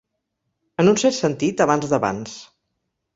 En un cert sentit, abans d'abans.